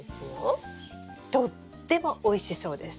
とってもおいしそうです！